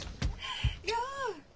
よう！